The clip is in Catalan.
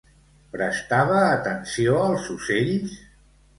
Prestava atenció als ocells?